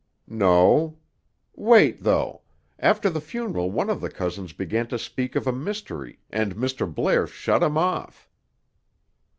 "No. Wait, though. After the funeral, one of the cousins began to speak of a mystery, and Mr. Blair shut him off."